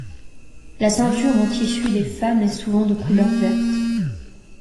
La ceinture en tissu des femmes est souvent de couleur verte.